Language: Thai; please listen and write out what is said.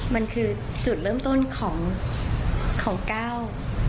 มันคือจุดเริ่มต้นของของก้าว